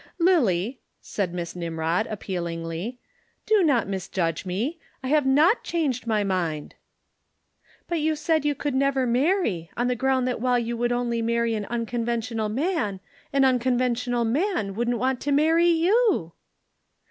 "Lillie," said Miss Nimrod appealingly, "do not misjudge me. I have not changed my mind." "But you said you could never marry, on the ground that while you would only marry an unconventional man, an unconventional man wouldn't want to marry you."